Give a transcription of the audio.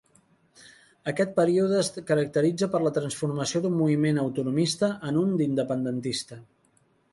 Aquest període es caracteritza per la transformació d'un moviment autonomista en un independentista.